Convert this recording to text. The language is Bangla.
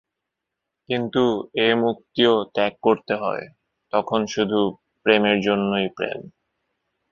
কিন্তু এ মুক্তিও ত্যাগ করতে হয়, তখন শুধু প্রেমের জন্যই প্রেম।